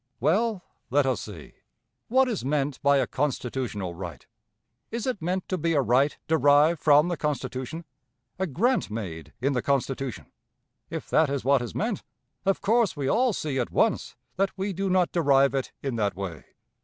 Well, let us see. What is meant by a constitutional right? Is it meant to be a right derived from the Constitution a grant made in the Constitution? If that is what is meant, of course we all see at once that we do not derive it in that way.